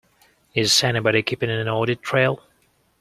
Is anybody keeping an audit trail?